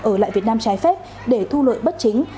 ở lại việt nam trái phép để thu lợi bất chính